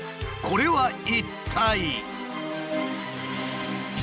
これは一体。